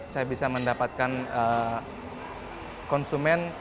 saya bisa mendapatkan konsumen